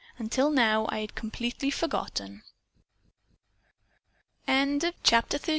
Until now, I had completely forgotten." CHAPTER XXXV.